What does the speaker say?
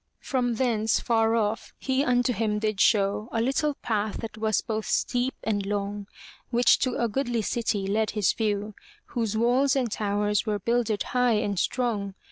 From thence, far off, he unto him did show A little path that was both steep and long, Which to a goodly city led his view. Whose walls and towers were builded high and strong.